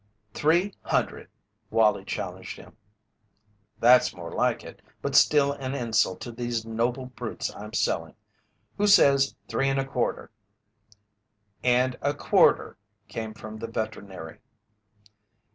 "Three hundred!" Wallie challenged him. "That's more like it, but still an insult to these noble brutes I'm selling. Who says three and a quarter?" "And a quarter!" came from the veterinary.